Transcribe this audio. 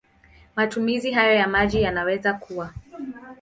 Matumizi hayo ya maji yanaweza kuwa